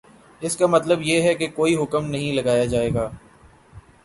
اس کا مطلب یہ ہے کہ کوئی حکم نہیں لگایا جائے گا